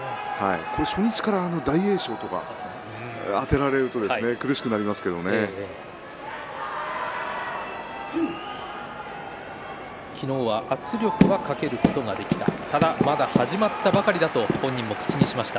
初日から大栄翔とかあてられると昨日は圧力はかけることができたただ、まだ始まったばかりと本人も口にしました。